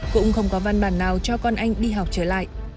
cũng không có văn bản nào cho con anh đi học trở lại